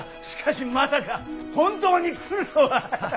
しかしまさか本当に来るとは。